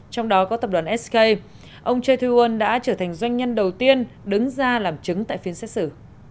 trong đó có tập đoàn sk ông chae tae woon đã trở thành doanh nhân đầu tiên đứng ra làm chứng tại phiên xét xử